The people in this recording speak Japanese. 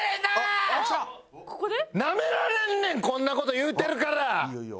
ナメられんねんこんな事言うてるから！